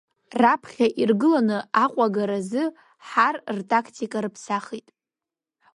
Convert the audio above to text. Раԥхьа иргыланы Аҟәа агаразы ҳар ртактика рԥсахит…